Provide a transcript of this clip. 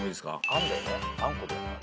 あんこだよね？